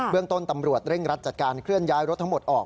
เรื่องต้นตำรวจเร่งรัดจัดการเคลื่อนย้ายรถทั้งหมดออก